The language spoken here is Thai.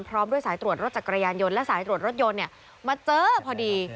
พร้อมด้วยสายตรวจรถจักรยานยนต์และสายตรวจรถยนต์มาเจอพอดี